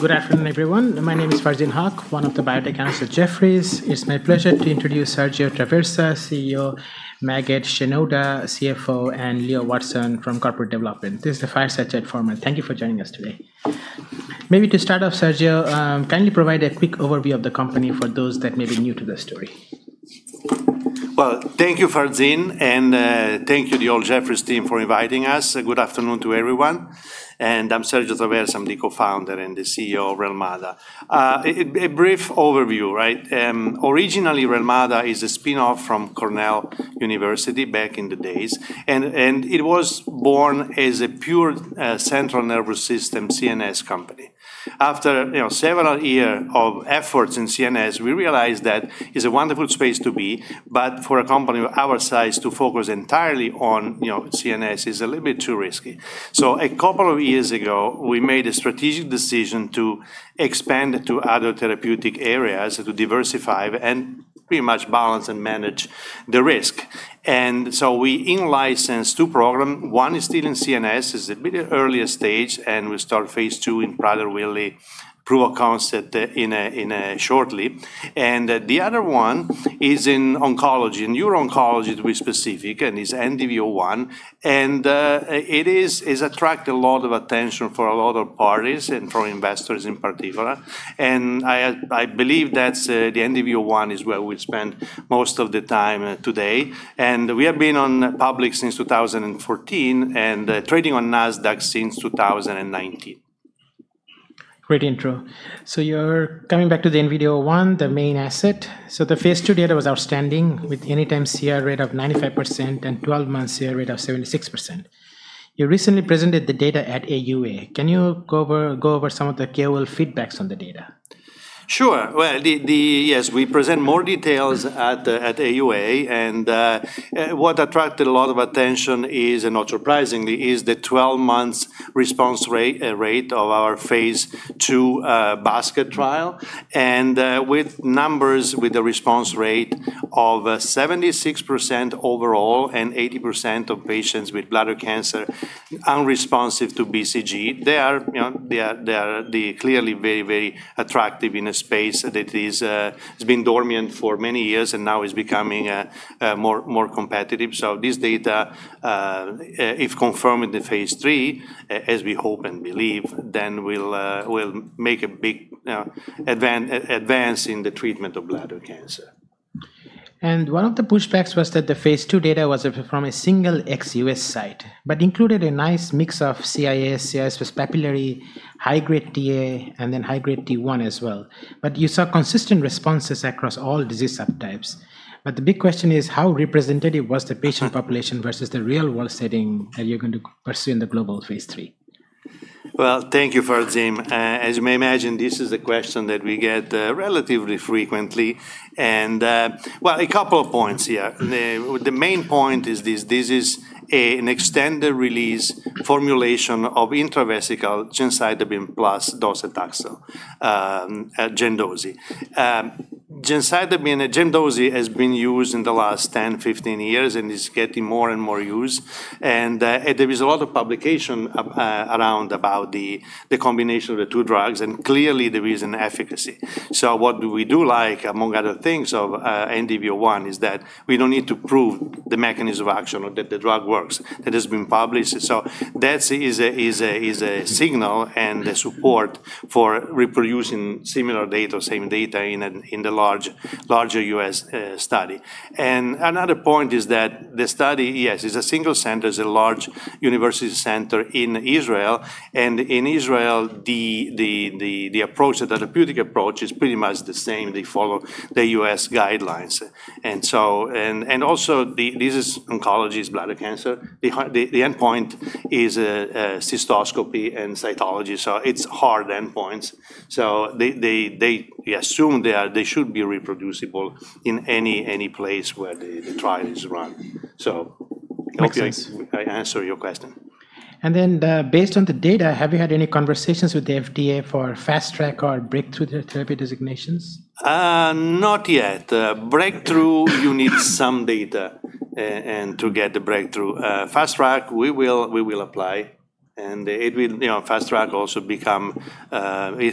Good afternoon, everyone. My name is Farzin Hak, one of the biotech analysts at Jefferies. It's my pleasure to introduce Sergio Traversa, CEO, Maged Shenouda, CFO, and Leo Watson from Corporate Development. This is the fireside chat format. Thank you for joining us today. Maybe to start off, Sergio, can you provide a quick overview of the company for those that may be new to the story? Well, thank you, Farzin, and thank you to the whole Jefferies team for inviting us. Good afternoon to everyone. I'm Sergio Traversa, I'm the co-founder and the CEO of Relmada. A brief overview. Originally, Relmada is a spinoff from Cornell University back in the days, and it was born as a pure central nervous system, CNS, company. After several years of efforts in CNS, we realized that it's a wonderful space to be, but for a company of our size to focus entirely on CNS is a little bit too risky. A couple of years ago, we made a strategic decision to expand to other therapeutic areas to diversify and pretty much balance and manage the risk. We in-licensed two programs. One is still in CNS, is a bit earlier stage, and we start phase II in proof of concept shortly The other one is in oncology, in uro-oncology to be specific, and is NDV-01. It has attracted a lot of attention for a lot of parties and for investors in particular. I believe that's the NDV-01 is where we'll spend most of the time today. We have been on public since 2014 and trading on Nasdaq since 2019. Great intro. You're coming back to the NDV-01, the main asset. The phase II data was outstanding with any time CR rate of 95% and 12 months CR rate of 76%. You recently presented the data at AUA. Can you go over some of the key feedbacks on the data? Sure. Well, yes, we present more details at AUA, and what attracted a lot of attention is, and not surprisingly, is the 12 months response rate of our phase II basket trial. With numbers with the response rate of 76% overall and 80% of patients with bladder cancer unresponsive to BCG, they are clearly very, very attractive in a space that has been dormant for many years and now is becoming more competitive. This data, if confirmed in the phase III, as we hope and believe, then will make a big advance in the treatment of bladder cancer. One of the pushbacks was that the phase II data was from a single ex-U.S. site, but included a nice mix of CIS with papillary, high-grade Ta, and then high-grade T1 as well. You saw consistent responses across all disease subtypes. The big question is how representative was the patient population versus the real-world setting that you're going to pursue in the global phase III? Well, thank you, Farzin. As you may imagine, this is a question that we get relatively frequently, well, a couple of points here. The main point is this. This is an extended release formulation of intravesical gemcitabine plus docetaxel, Gem/Doce. Gemcitabine, Gem/Doce, has been used in the last 10, 15 years and is getting more and more use. There is a lot of publication around about the combination of the two drugs, and clearly there is an efficacy. What we do like, among other things of NDV-01, is that we don't need to prove the mechanism of action or that the drug works. That has been published. That is a signal and a support for reproducing similar data, same data in the larger U.S. study. Another point is that the study, yes, it's a single center, it's a large university center in Israel. In Israel, the therapeutic approach is pretty much the same. They follow the U.S. guidelines. Also, this is oncology, it's bladder cancer. The endpoint is a cystoscopy and cytology, so it's hard endpoints. We assume they should be reproducible in any place where the trial is run. Makes sense. Hopefully I answer your question. Based on the data, have you had any conversations with the FDA for Fast Track or Breakthrough Therapy designation? Not yet. Breakthrough, you need some data, and to get the Breakthrough. Fast Track, we will apply, and Fast Track also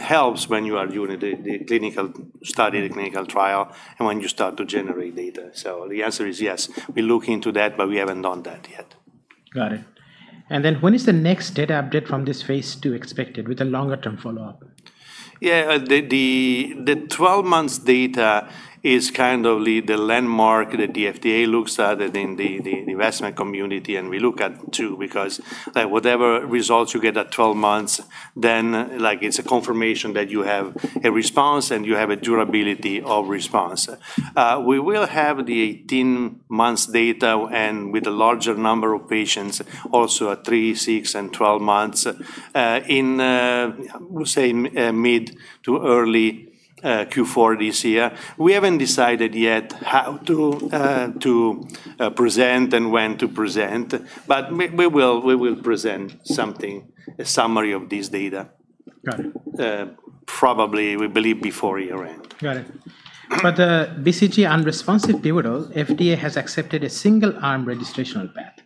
helps when you are doing the clinical study, the clinical trial, and when you start to generate data. The answer is yes. We look into that, but we haven't done that yet. Got it. When is the next data update from this phase II expected with a longer-term follow-up? Yeah. The 12 months data is kind of the landmark that the FDA looks at, and then the investment community, and we look at too, because whatever results you get at 12 months, then it's a confirmation that you have a response and you have a durability of response. We will have the 18 months data and with a larger number of patients, also at three, six, and 12 months, in, we'll say, mid to early Q4 this year. We haven't decided yet how to present and when to present, but we will present something, a summary of this data. Got it. Probably, we believe, before year-end. Got it. BCG unresponsive pivotal, FDA has accepted a single-arm registrational path.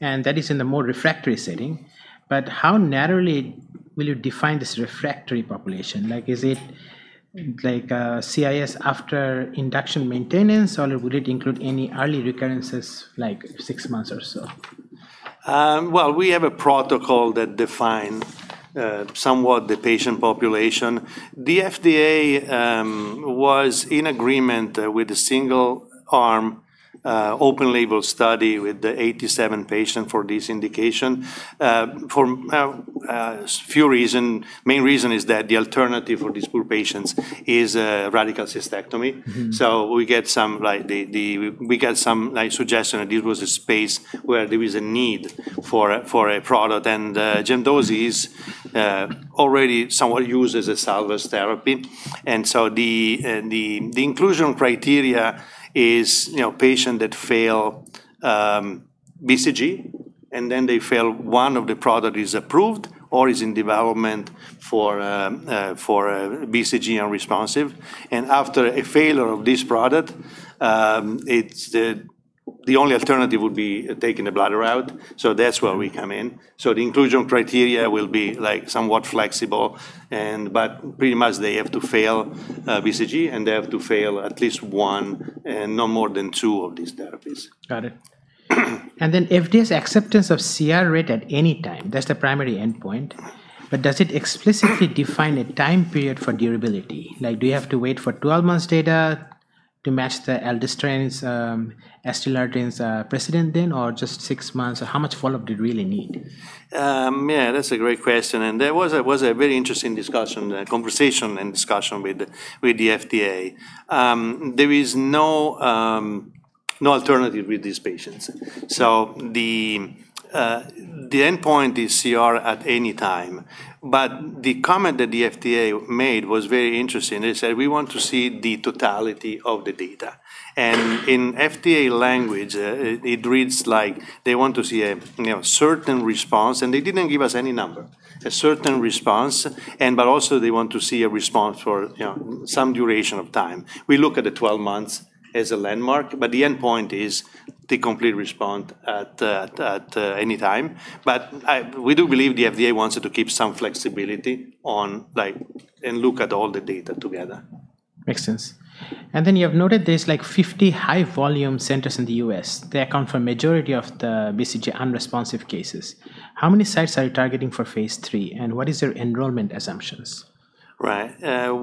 That is in the more refractory setting. How narrowly will you define this refractory population? Is it like CIS after induction maintenance, or would it include any early recurrences, like six months or so? Well, we have a protocol that defines somewhat the patient population. The FDA was in agreement with the single-arm open-label study with the 87 patients for this indication for a few reasons. The main reason is that the alternative for these poor patients is a radical cystectomy. We get some suggestion that this was a space where there was a need for a product, Gem/Doce is already somewhat used as a salvage therapy. The inclusion criteria is patient that fail BCG, and then they fail one of the product is approved or is in development for BCG unresponsive. After a failure of this product, the only alternative would be taking the bladder out. That's where we come in. The inclusion criteria will be somewhat flexible, but pretty much they have to fail BCG, and they have to fail at least one and no more than two of these therapies. Got it. If there's acceptance of CR rate at any time, that's the primary endpoint. Does it explicitly define a time period for durability? Do you have to wait for 12 months data to match the ADSTILADRIN precedent then, or just six months? How much follow-up do you really need? Yeah, that's a great question, that was a very interesting conversation and discussion with the FDA. There is no alternative with these patients. The endpoint is CR at any time. The comment that the FDA made was very interesting. They said, "We want to see the totality of the data." In FDA language, it reads like they want to see a certain response, they didn't give us any number. A certain response, also they want to see a response for some duration of time. We look at the 12 months as a landmark, the endpoint is the complete response at any time. We do believe the FDA wants to keep some flexibility and look at all the data together. Makes sense. You have noted there's like 50 high-volume centers in the U.S. They account for majority of the BCG unresponsive cases. How many sites are you targeting for phase III, and what is your enrollment assumptions? Right.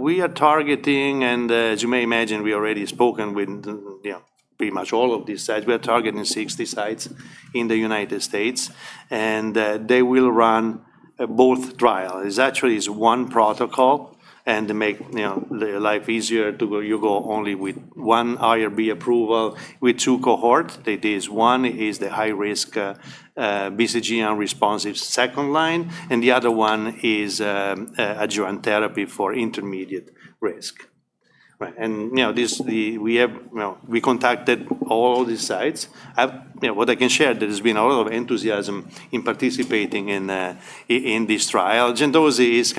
We are targeting, as you may imagine, we already spoken with pretty much all of these sites. We are targeting 60 sites in the U.S., they will run both trial. It actually is one protocol to make life easier, you go only with one IRB approval with two cohort. That is, one is the high-risk BCG unresponsive second line, the other one is adjuvant therapy for intermediate risk. Right. We contacted all these sites. What I can share, there has been a lot of enthusiasm in participating in this trial. Gem/Doce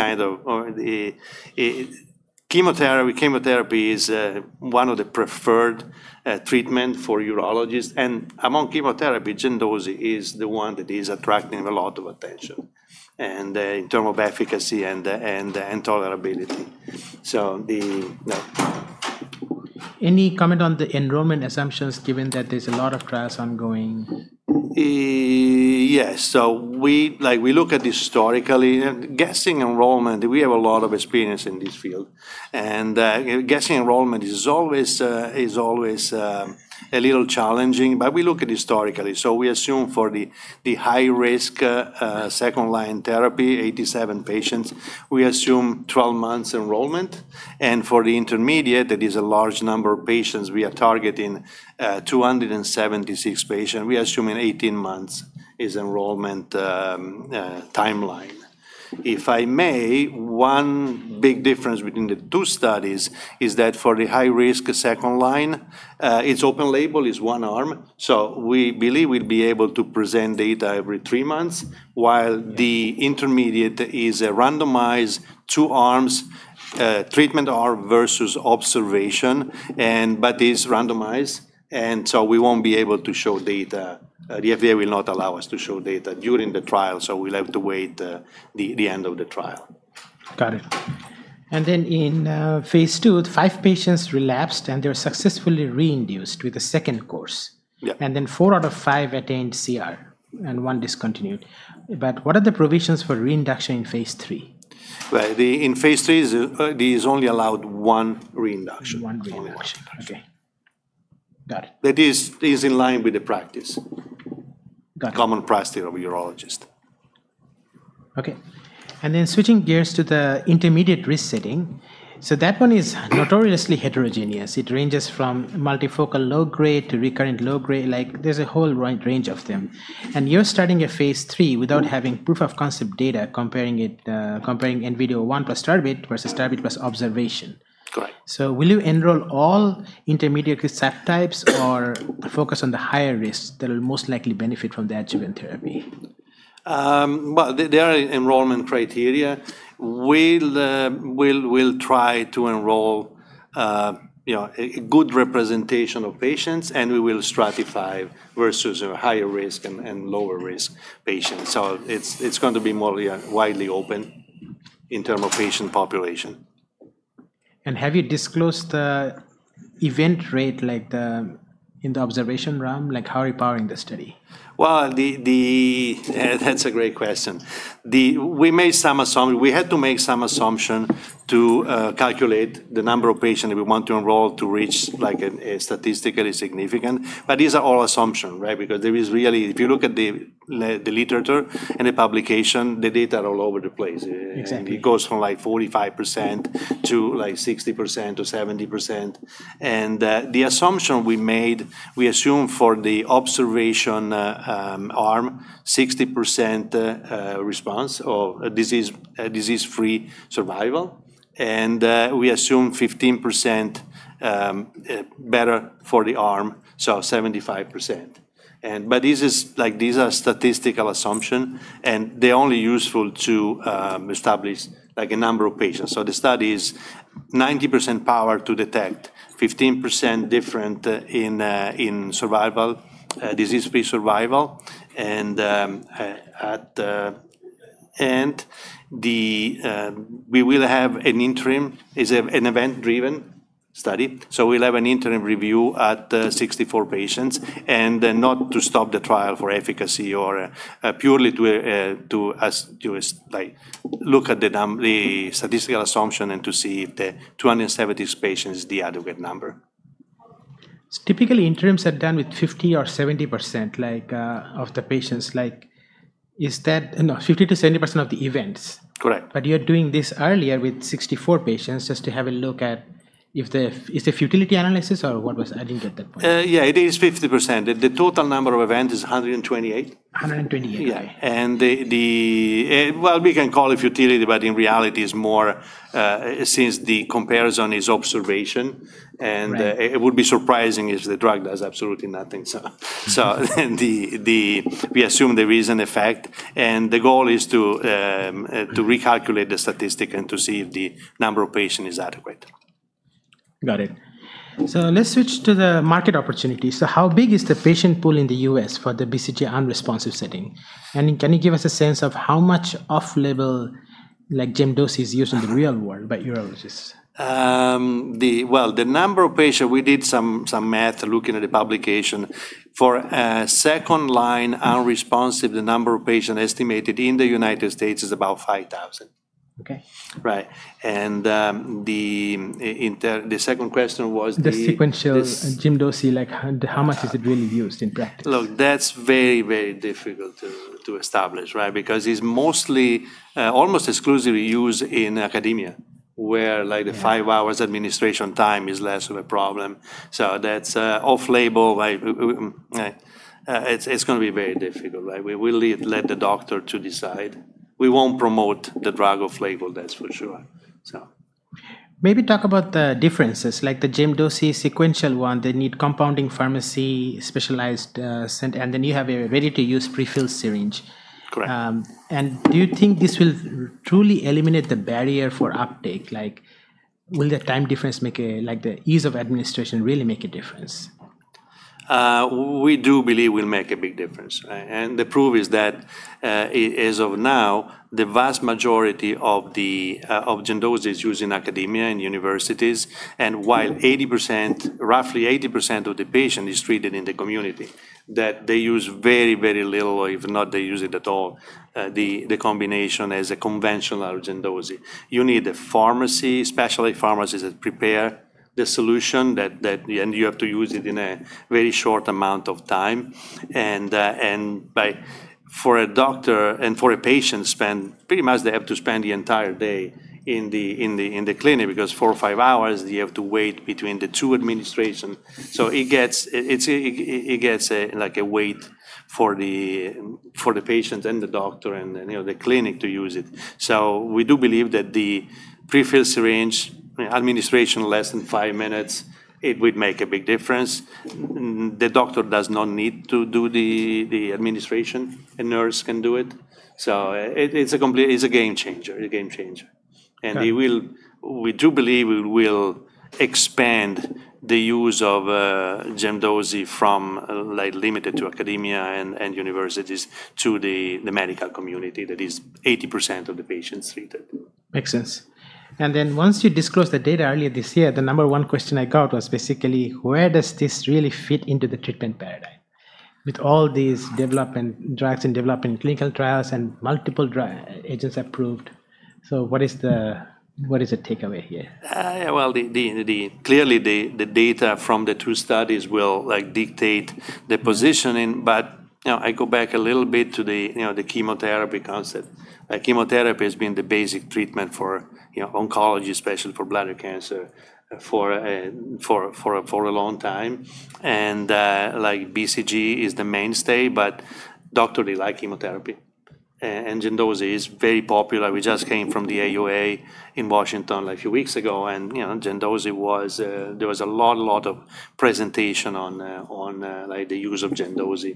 Chemotherapy is one of the preferred treatment for urologists, among chemotherapy, Gem/Doce is the one that is attracting a lot of attention in term of efficacy and tolerability. Yeah. Any comment on the enrollment assumptions given that there's a lot of trials ongoing? Yes. We look at historically, guessing enrollment, we have a lot of experience in this field. Guessing enrollment is always a little challenging, but we look at historically. We assume for the high-risk second-line therapy, 87 patients, we assume 12 months enrollment. For the intermediate, that is a large number of patients we are targeting, 276 patients, we assume 18 months is enrollment timeline. If I may, one big difference between the two studies is that for the high-risk second line, it's open label, it's one arm. We believe we'll be able to present data every three months while the intermediate is a randomized two arms, treatment arm versus observation, but is randomized. We won't be able to show data. The FDA will not allow us to show data during the trial, so we'll have to wait the end of the trial. Got it. In phase II, five patients relapsed, and they were successfully re-induced with a second course. Yeah. Four out of five attained CR, and one discontinued. What are the provisions for re-induction in phase III? Right. In phase III, there is only allowed one re-induction. One re-induction. Okay. Got it. That is in line with the practice. Got it. Common practice of urologist. Okay. Switching gears to the intermediate risk setting. That one is notoriously heterogeneous. It ranges from multifocal low grade to recurrent low grade. There's a whole wide range of them. You're starting a phase III without having proof of concept data comparing NDV-01 plus TURBT versus TURBT plus observation. Correct. Will you enroll all intermediate subtypes or focus on the higher risk that will most likely benefit from the adjuvant therapy? There are enrollment criteria. We'll try to enroll a good representation of patients, and we will stratify versus higher risk and lower risk patients. It's going to be more widely open in term of patient population. Have you disclosed the event rate in the observation arm? How are you powering the study? Well, that's a great question. We had to make some assumption to calculate the number of patient that we want to enroll to reach statistically significant. These are all assumption, right? If you look at the literature and the publication, the data are all over the place. Exactly. It goes from 45% to 60% or 70%. The assumption we made, we assume for the observation arm, 60% response of disease-free survival. We assume 15% better for the arm, so 75%. These are statistical assumption, and they're only useful to establish a number of patients. The study is 90% power to detect 15% different in disease-free survival. We will have an interim. It's an event-driven study, so we'll have an interim review at 64 patients. Not to stop the trial for efficacy or purely to look at the statistical assumption and to see if the 276 patients is the adequate number. Typically, interims are done with 50% or 70% of the events. Correct. You're doing this earlier with 64 patients just to have a look at. Is the futility analysis, or I didn't get that point. Yeah, it is 50%. The total number of event is 128. 128. Yeah. Well, we can call it futility, but in reality, since the comparison is observation- Right. It would be surprising if the drug does absolutely nothing. We assume there is an effect, and the goal is to recalculate the statistic and to see if the number of patients is adequate. Got it. Let's switch to the market opportunity. How big is the patient pool in the U.S. for the BCG unresponsive setting? Can you give us a sense of how much off-label Gem/Doce is used in the real world by urologists? Well, the number of patient, we did some math looking at the publication. For second line unresponsive, the number of patient estimated in the U.S. is about 5,000. Okay. Right. The second question was. The sequential Gem/Doce, how much is it really used in practice? Look, that's very difficult to establish, right? Because it's almost exclusively used in academia, where the five hours administration time is less of a problem. That's off-label. It's going to be very difficult. We will let the doctor to decide. We won't promote the drug off-label, that's for sure. Maybe talk about the differences, like the Gem/Doce sequential one, they need compounding pharmacy specialized, and then you have a ready-to-use pre-filled syringe. Correct. Do you think this will truly eliminate the barrier for uptake? Will the time difference, the ease of administration really make a difference? We do believe we'll make a big difference. The proof is that, as of now, the vast majority of Gem/Doce is used in academia, in universities. While roughly 80% of the patient is treated in the community, that they use very little, or if not, they use it at all, the combination as a conventional Gem/Doce. You need a pharmacy, specialty pharmacies that prepare the solution, and you have to use it in a very short amount of time. For a doctor and for a patient, pretty much they have to spend the entire day in the clinic because four or five hours you have to wait between the two administration. It gets a wait for the patient and the doctor and the clinic to use it. We do believe that the pre-filled syringe administration less than five minutes, it would make a big difference. The doctor does not need to do the administration. A nurse can do it. It's a game changer. Okay. We do believe we will expand the use of Gem/Doce from limited to academia and universities to the medical community that is 80% of the patients treated. Makes sense. Once you disclose the data earlier this year, the number one question I got was basically where does this really fit into the treatment paradigm? With all these drugs in development, clinical trials, and multiple agents approved. What is the takeaway here? Well, clearly the data from the two studies will dictate the positioning. I go back a little bit to the chemotherapy concept. Chemotherapy has been the basic treatment for oncology, especially for bladder cancer for a long time. BCG is the mainstay, but doctors like chemotherapy. Gem/Doce is very popular. We just came from the AUA in Washington a few weeks ago. Gem/Doce, there was a lot of presentation on the use of Gem/Doce.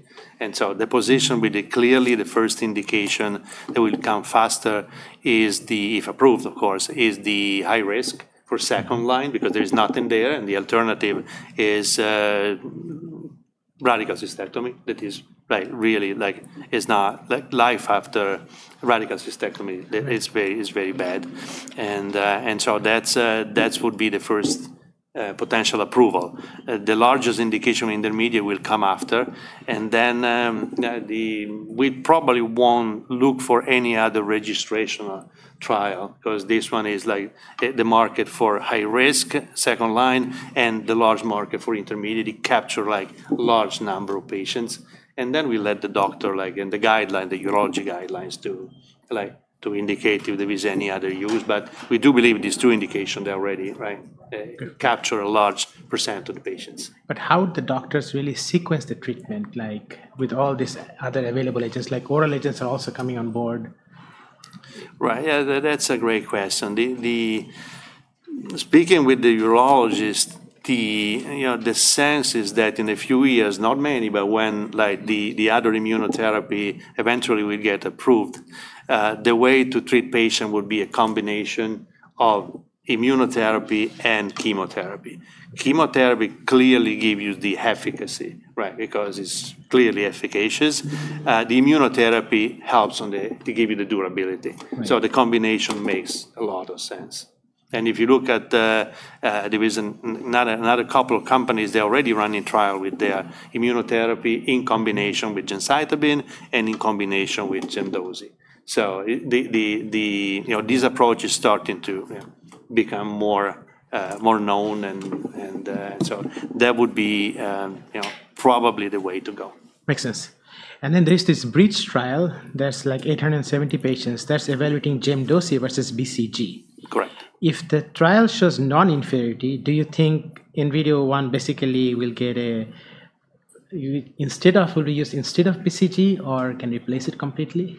The position with clearly the first indication that will come faster, if approved, of course, is the high risk for second line because there is nothing there, and the alternative is radical cystectomy. Life after radical cystectomy is very bad. That would be the first potential approval. The largest indication intermediate will come after, and then we probably won't look for any other registrational trial because this one is the market for high risk, second line, and the large market for intermediate, it capture large number of patients. We let the doctor and the urology guidelines to indicate if there is any other use. We do believe these two indication there already capture a large % of the patients. How would the doctors really sequence the treatment, with all these other available agents? Oral agents are also coming on board. Right. Yeah, that's a great question. Speaking with the urologist, the sense is that in a few years, not many, but when the other immunotherapy eventually will get approved, the way to treat patient would be a combination of immunotherapy and chemotherapy. Chemotherapy clearly give you the efficacy. Right. It's clearly efficacious. The immunotherapy helps to give you the durability. Right. The combination makes a lot of sense. If you look at, there is another couple of companies, they're already running trial with their immunotherapy in combination with gemcitabine and in combination with docetaxel. These approaches starting to become more known, and so that would be probably the way to go. Makes sense. There's this Bridge trial that's 870 patients that's evaluating Gem/Doce versus BCG. Correct. If the trial shows non-inferiority, do you think NDV-01 basically will be used instead of BCG, or can replace it completely?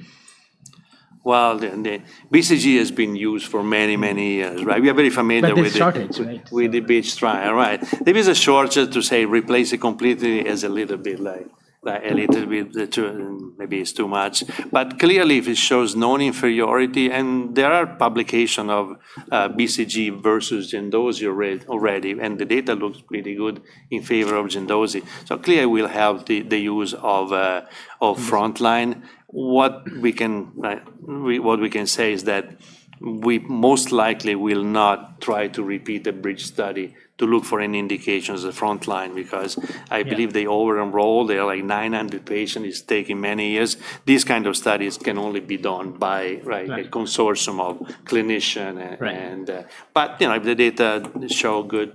Well, the BCG has been used for many, many years, right? We are very familiar with the. They've shortage, right? With the BRIDGE trial. Right. There is a shortage to say replace it completely is a little bit, maybe it's too much. Clearly, if it shows non-inferiority, and there are publication of BCG versus Gem/Doce already, and the data looks pretty good in favor of Gem/Doce. Clearly, we'll have the use of frontline. What we can say is that we most likely will not try to repeat the BRIDGE study to look for any indications of frontline because I believe they over-enrolled. There are 900 patient. It's taking many years. These kind of studies can only be done by- Right A consortium of clinician. Right. If the data show good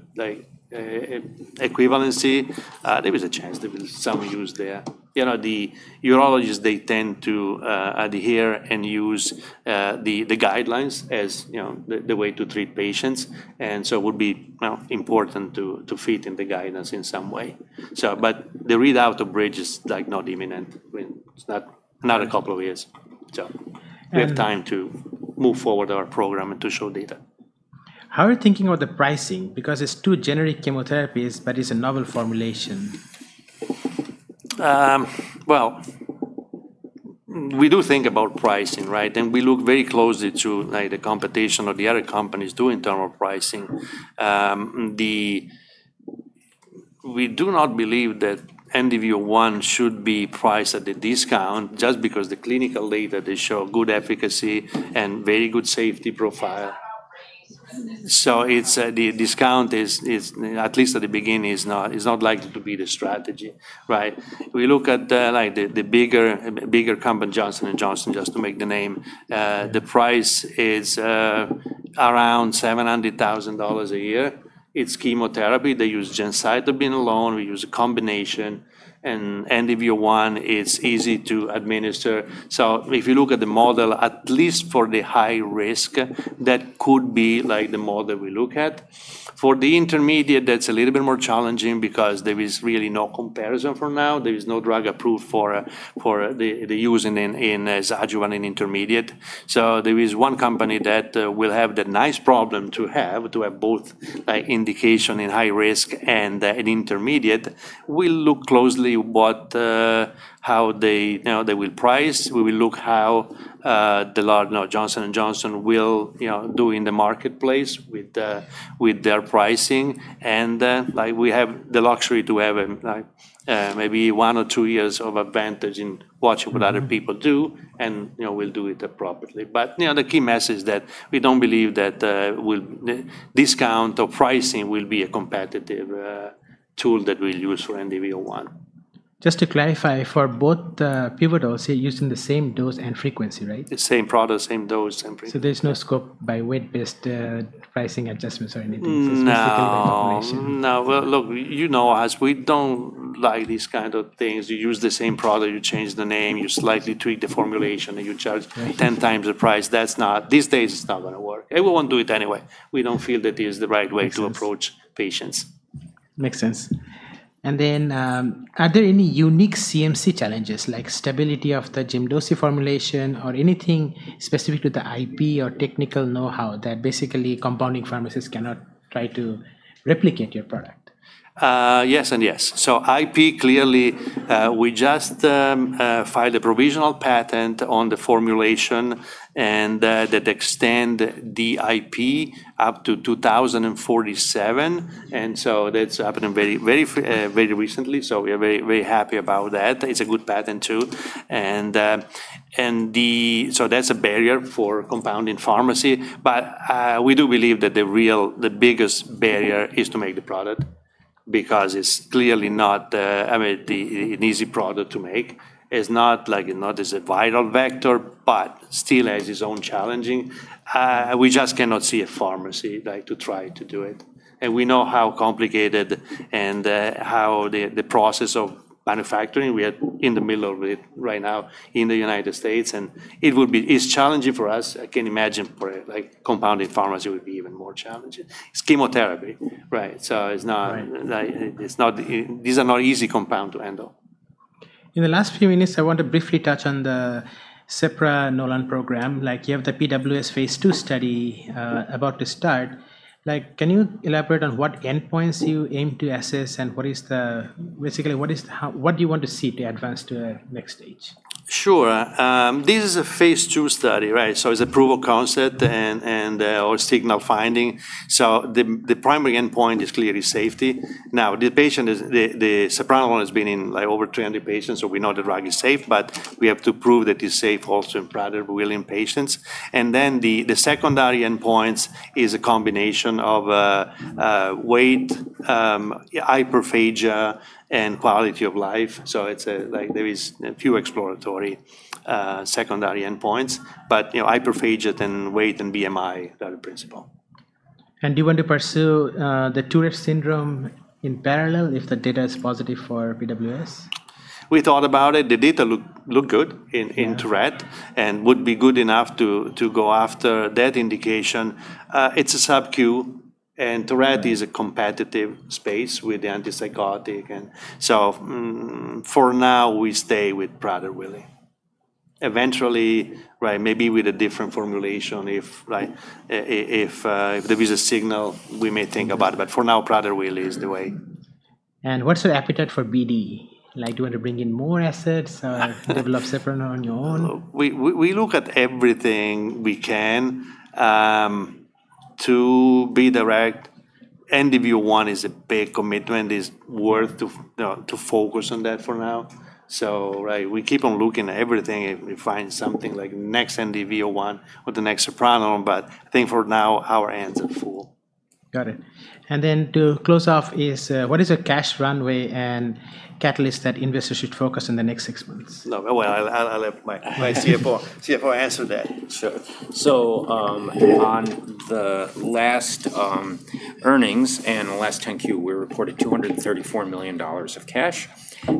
equivalency, there is a chance there will some use there. The urologists, they tend to adhere and use the guidelines as the way to treat patients, and so would be important to fit in the guidance in some way. The readout of BRIDGE is not imminent. It's another couple of years. We have time to move forward our program and to show data. How are you thinking about the pricing? It's two generic chemotherapies, but it's a novel formulation. Well, we do think about pricing, right? We look very closely to the competition of the other companies doing terminal pricing. We do not believe that NDV-01 should be priced at a discount just because the clinical data they show good efficacy and very good safety profile. It's at our rate. The discount is, at least at the beginning, is not likely to be the strategy, right? We look at the bigger company, Johnson & Johnson, just to make the name. The price is around $700,000 a year. It's chemotherapy. They use gemcitabine alone. We use a combination, and NDV-01 is easy to administer. If you look at the model, at least for the high risk, that could be the model we look at. For the intermediate, that's a little bit more challenging because there is really no comparison for now. There is no drug approved for the use in adjuvant and intermediate. There is one company that will have the nice problem to have both indication in high risk and in intermediate. We'll look closely how they will price. We will look how Johnson & Johnson will do in the marketplace with their pricing, and we have the luxury to have maybe one or two years of advantage in watching what other people do, and we'll do it appropriately. The key message that we don't believe that discount or pricing will be a competitive tool that we'll use for NDV-01. Just to clarify, for both pivotals, you're using the same dose and frequency, right? The same product, same dose, same frequency. There's no scope by weight-based pricing adjustments or anything- No. The formulation. No. Well, look, you know us. We don't like these kind of things. You use the same product, you change the name, you slightly tweak the formulation, and you charge 10 times the price. These days, it's not going to work, and we won't do it anyway. We don't feel that is the right way to approach patients. Makes sense. Then, are there any unique CMC challenges, like stability of the gemcitabine formulation or anything specific to the IP or technical know-how that basically compounding pharmacists cannot try to replicate your product? Yes and yes. IP, clearly, we just filed a provisional patent on the formulation, and that extend the IP up to 2047. That's happened very recently, so we are very happy about that. It's a good patent, too. That's a barrier for compounding pharmacy. We do believe that the biggest barrier is to make the product, because it's clearly not an easy product to make. It's not as a viral vector, but still has its own challenging. We just cannot see a pharmacy to try to do it. We know how complicated and how the process of manufacturing, we are in the middle of it right now in the U.S., and it's challenging for us. I can imagine for a compounding pharmacy, it would be even more challenging. It's chemotherapy, right? Right. These are not easy compounds to handle. In the last few minutes, I want to briefly touch on the sepranolone program. You have the PWS phase II study about to start. Can you elaborate on what endpoints you aim to assess and what do you want to see to advance to a next stage? Sure. This is a phase II study, right? It's a proof of concept and/or signal finding. The primary endpoint is clearly safety. Now, the sepranolone has been in over 200 patients, so we know the drug is safe, but we have to prove that it's safe also in Prader-Willi patients. The secondary endpoints is a combination of weight, hyperphagia, and quality of life. There is a few exploratory secondary endpoints, but hyperphagia then weight and BMI are the principal. Do you want to pursue the Tourette syndrome in parallel if the data is positive for PWS? We thought about it. The data looked good in Tourette and would be good enough to go after that indication. It's a subcu, and Tourette is a competitive space with the antipsychotic. For now, we stay with Prader-Willi. Eventually, maybe with a different formulation, if there is a signal, we may think about it. For now, Prader-Willi is the way. What's your appetite for BD? Do you want to bring in more assets or develop sepranolone on your own? We look at everything we can. To be direct, NDV-01 is a big commitment. It's worth to focus on that for now. Right, we keep on looking at everything. If we find something like next NDV-01 or the next sepranolone, but I think for now, our hands are full. Got it. To close off is, what is your cash runway and catalyst that investors should focus in the next six months? No. Well, I'll let my CFO answer that. Sure. On the last earnings and the last 10-Q, we reported $234 million of cash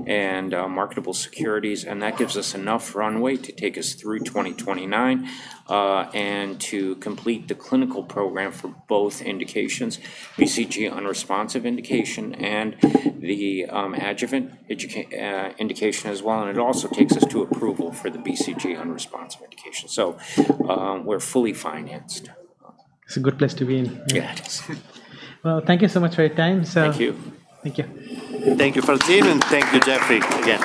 and marketable securities. That gives us enough runway to take us through 2029 and to complete the clinical program for both indications, BCG unresponsive indication and the adjuvant indication as well. It also takes us to approval for the BCG unresponsive indication. We're fully financed. It's a good place to be in. Yes. Well, thank you so much for your time, sir. Thank you. Thank you. Thank you, Farzin Hak, and thank you, Jefferies, again.